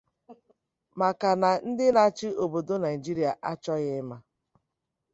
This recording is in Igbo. Maka na ndị na-achị obodo Nigeria achọghị ịma